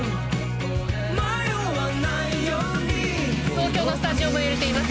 東京のスタジオも揺れています。